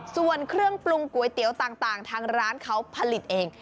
ส่วนเครื่องปรุงก๋วยเตี๋ยวต่างทางร้านเขาผลิตเอง